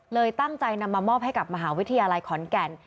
ตั้งใจนำมามอบให้กับมหาวิทยาลัยขอนแก่น